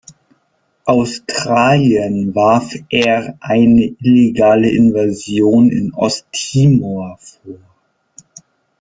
Australien warf er eine illegale Invasion in Osttimor vor.